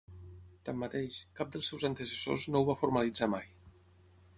Tanmateix, cap dels seus antecessors no ho va formalitzar mai.